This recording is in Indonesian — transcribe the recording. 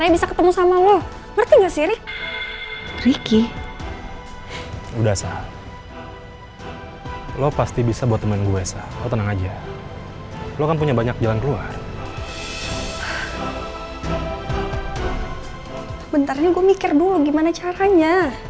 ibu kamu abis telfonan sama ricky